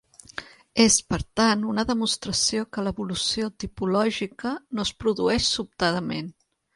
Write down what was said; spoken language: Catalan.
És, per tant, una demostració que l'evolució tipològica no es produeix sobtadament.